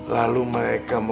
lalu mereka mau berjalan